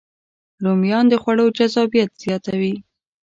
رومیان د خوړو جذابیت زیاتوي